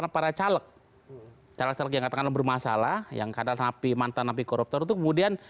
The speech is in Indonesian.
para caleg caleg caleg yang katakanlah bermasalah yang karena napi mantan napi koruptor itu kemudian